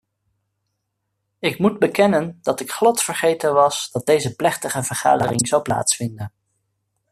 Ik moet bekennen dat ik glad vergeten was dat deze plechtige vergadering zou plaatsvinden.